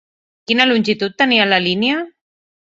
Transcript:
Quina longitud tenia la línia?